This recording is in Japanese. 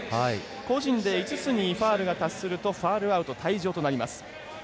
個人で５つにファウルが達するとファウルアウト退場となります。